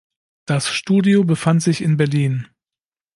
Das Studio befand sich in Berlin.